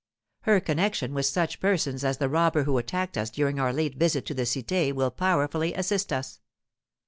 Her connection with such persons as the robber who attacked us during our late visit to the Cité will powerfully assist us.